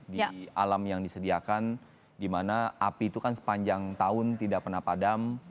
di alam yang disediakan di mana api itu kan sepanjang tahun tidak pernah padam